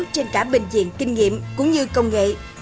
trên cả bệnh viện kinh nghiệm cũng như công nghệ